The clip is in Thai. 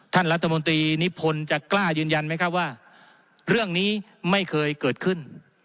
ท่านรัฐมนตรีนิพนธ์จะกล้ายืนยันไหมครับว่าเรื่องนี้ไม่เคยเกิดขึ้น